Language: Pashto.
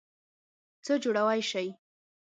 څه جوړوئ شی؟